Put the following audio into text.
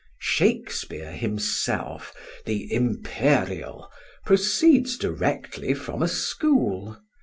Shakespeare himself, the imperial, proceeds directly from a school.